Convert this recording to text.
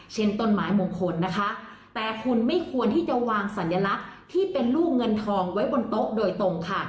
ต้นไม้มงคลนะคะแต่คุณไม่ควรที่จะวางสัญลักษณ์ที่เป็นลูกเงินทองไว้บนโต๊ะโดยตรงค่ะ